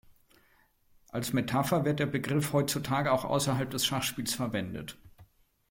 Als Metapher wird der Begriff heutzutage auch außerhalb des Schachspiels verwendet.